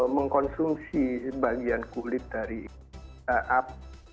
mengkonsumsi bagian kulit dari up